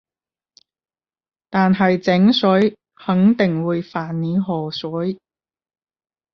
但係井水肯定會犯你河水